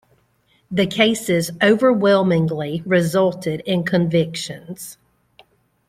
The cases overwhelmingly resulted in convictions.